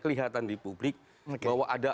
kelihatan di publik bahwa ada